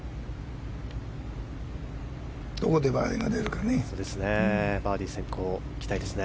どこでバーディーが出るかね。